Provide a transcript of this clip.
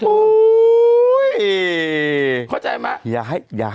อุ้ย